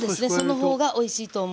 そのほうがおいしいと思う。